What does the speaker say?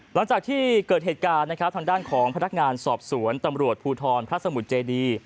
หลังจากที่เกิดเหตุการณ์นะครับทางด้านของพนักงานสอบสวนตำรวจภูทรพระสมุทรเจดี